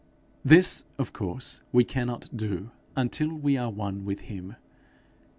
This of course we cannot do until we are one with him.